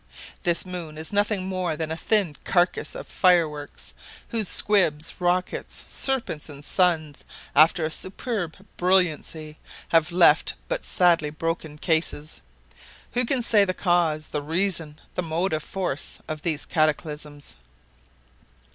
This moon is nothing more than a thin carcase of fireworks, whose squibs, rockets, serpents, and suns, after a superb brilliancy, have left but sadly broken cases. Who can say the cause, the reason, the motive force of these cataclysms?"